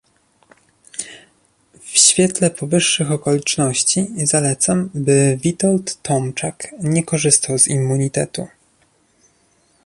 W świetle powyższych okoliczności, zalecam, by Witold Tomczak nie korzystał z immunitetu